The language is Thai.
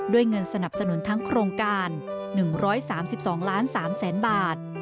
เงินสนับสนุนทั้งโครงการ๑๓๒ล้าน๓แสนบาท